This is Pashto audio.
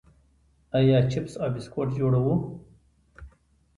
آیا چپس او بسکټ جوړوو؟